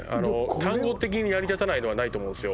単語的に成り立たないのはないと思うんですよ